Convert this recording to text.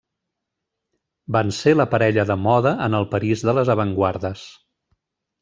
Van ser la parella de moda en el París de les avantguardes.